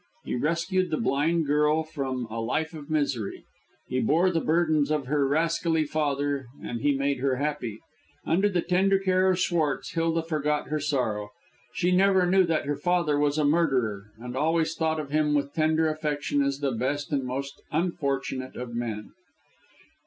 He rescued the blind girl from a life of misery; he bore the burdens of her rascally father, and he made her happy. Under the tender care of Schwartz, Hilda forgot her sorrow. She never knew that her father was a murderer, and always thought of him with tender affection as the best and most unfortunate of men.